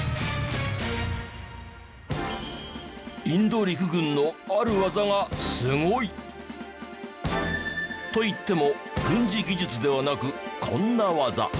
インド陸軍のある技がすごい！といっても軍事技術ではなくこんな技。